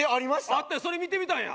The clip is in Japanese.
それ見てみたんや。